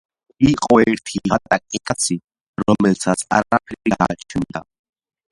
იყო ერთი ღატაკი კაცი, რომელსაც არაფერი გააჩნდა.